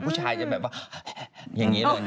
ผู้ชายจะแบบว่าอย่างนี้เลยนะ